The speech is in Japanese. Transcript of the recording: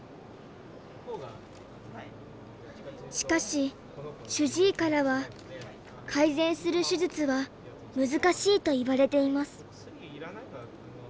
しかし主治医からは改善する手術は難しいと言われています。